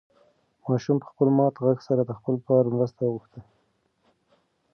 ماشوم په خپل مات غږ سره د خپل پلار مرسته وغوښته.